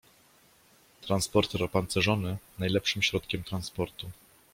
Transporter opancerzony najlepszym środkiem transportu.